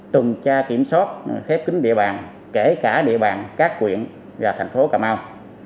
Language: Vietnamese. tuần tra kiểm soát khép kính địa bàn kể cả địa bàn các quyện và thành phố cà mau